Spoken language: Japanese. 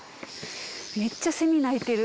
めっちゃセミ鳴いてる。